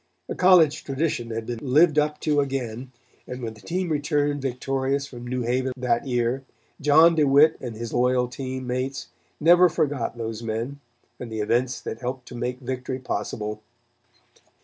A college tradition had been lived up to again, and when the team returned victorious from New Haven that year, John DeWitt and his loyal team mates never forgot those men and the events that helped to make victory possible.